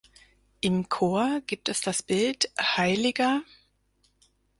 Im Chor gibt es das Bild hl.